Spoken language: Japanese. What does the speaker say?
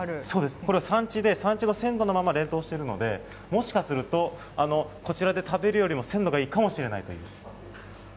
そうです、これは産地の鮮度のまま冷凍しているので、もしかすると、こちらで食べるよりも、鮮度がいいかもしれないという。